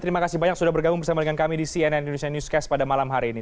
terima kasih banyak sudah bergabung bersama dengan kami di cnn indonesia newscast pada malam hari ini